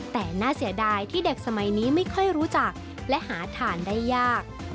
แต่น่าเสียดายที่เด็กสมัยนี้ไม่ค่อยรู้จักและหาทานได้ยาก